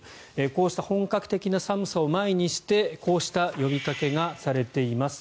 こうした本格的な寒さを前にしてこうした呼びかけがされています。